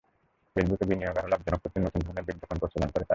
ফেসবুকে বিনিয়োগ আরও লাভজনক করতে নতুন ধরনের বিজ্ঞাপনের প্রচলন করে তারা।